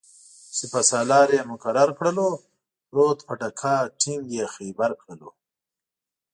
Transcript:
سپه سالار یې مقرر کړلو-پروت په ډکه ټینګ یې خیبر کړلو